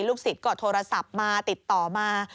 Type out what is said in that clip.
สิทธิ์ก็โทรศัพท์มาติดต่อมา